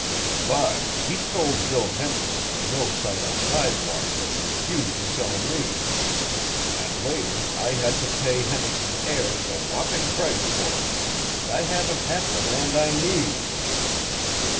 "But he sold Bill Henderson the mill site on tidewater that he refused to sell me, and later I had to pay Henderson's heirs a whooping price for it. And I haven't half the land I need."